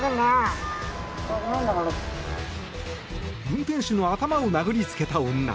運転手の頭を殴りつけた女。